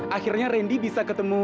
akhirnya rendy bisa ketemu